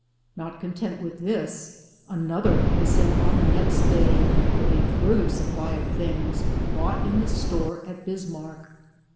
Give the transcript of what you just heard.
Not content with this, another was sent on the next day, with a further supply of things bought in the store at Bismarck.